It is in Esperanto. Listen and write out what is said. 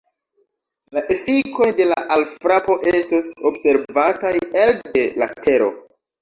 La efikoj de la alfrapo estos observataj elde la Tero.